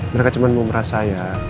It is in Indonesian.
mereka cuma mau merasakan